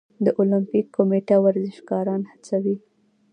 د المپیک کمیټه ورزشکاران هڅوي؟